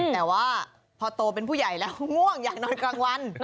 แต่ว่าพอโตเป็นผู้ใหญ่แล้วง่วงอยากนอนกลางวัน